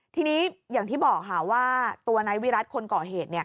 ทีนี้อย่างที่บอกค่ะว่าตัวนายวิรัติคนก่อเหตุ